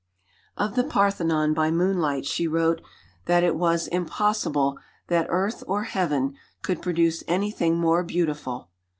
Of the Parthenon by moonlight she wrote that it was "impossible that earth or heaven could produce anything more beautiful."